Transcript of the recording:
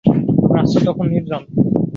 রাস্তা তখন নির্জন।